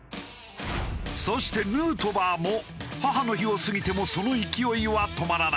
そしてヌートバーも母の日を過ぎてもその勢いは止まらない。